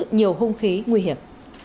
nhiều hung khí nguy hiểm